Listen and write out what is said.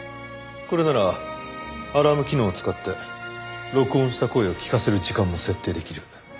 これならアラーム機能を使って録音した声を聞かせる時間も設定出来る。